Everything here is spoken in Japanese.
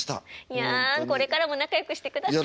やんこれからも仲よくしてください。